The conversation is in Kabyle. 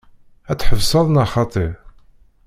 Ad tḥebseḍ neɣ xaṭi?